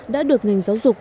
đã được ngành giáo dục